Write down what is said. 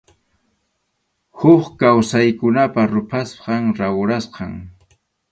Huk kawsaykunapa ruphasqan, rawrasqan.